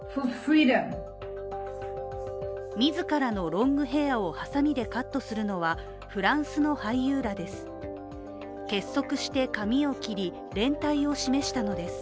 自らのロングヘアをはさみでカットするのはフランスの俳優らです。